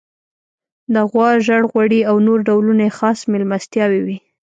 د غوا ژړ غوړي او نور ډولونه یې خاص میلمستیاوې وې.